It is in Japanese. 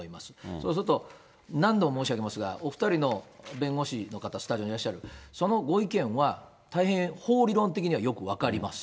そうすると、何度も申し上げますが、お２人の弁護士の方、スタジオにいらっしゃる、そのご意見は大変、法理論的にはよく分かります。